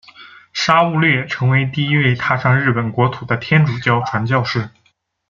沙勿略成为第一位踏上日本国土的天主教传教士。